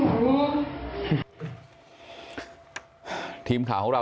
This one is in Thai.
มต้นหนาเอาไปดูคลิปก่อนครับ